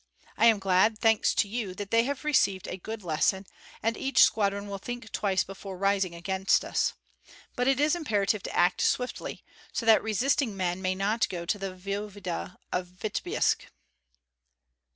I am glad, thanks to you, that they have received a good lesson, and each squadron will think twice before rising against us. But it is imperative to act swiftly, so that resisting men may not go to the voevoda of Vityebsk."